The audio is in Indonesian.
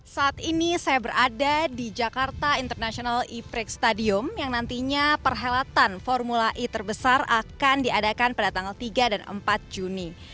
saat ini saya berada di jakarta international e prix stadium yang nantinya perhelatan formula e terbesar akan diadakan pada tanggal tiga dan empat juni